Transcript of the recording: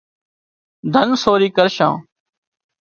ڌن سورِي ڪرشان